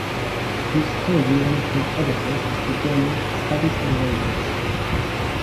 He is currently one of the editors of the journal "Studies in Language".